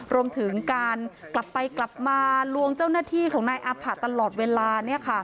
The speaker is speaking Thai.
รวมถึงการกลับไปกลับมาลวงเจ้าหน้าที่ของนายอาผะตลอดเวลา